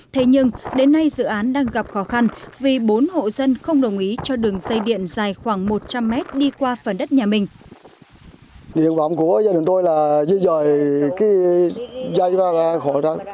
thế nhưng đến nay dự án đang gặp khó khăn vì bốn hộ dân không đồng ý cho đường dây điện dài khoảng một trăm linh mét đi qua phần đất nhà mình